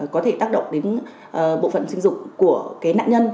có thể tác động đến bộ phận sinh dục của cái nạn nhân